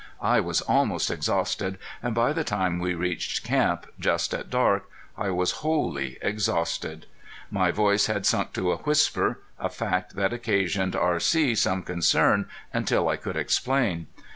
I was almost exhausted, and by the time we reached camp, just at dark, I was wholly exhausted. My voice had sunk to a whisper, a fact that occasioned R.C. some concern until I could explain.